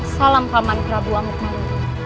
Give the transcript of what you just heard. salam paman prabu amuk marungku